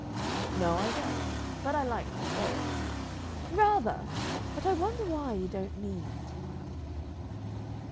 "No, I don't. But I liked to say it." "Rather! But I wonder why you don't mean it?"